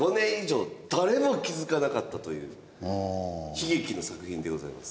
悲劇の作品でございます。